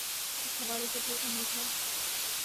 اس حوالے سے پرا مید ہے۔